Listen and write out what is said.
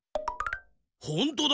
ほんとだ。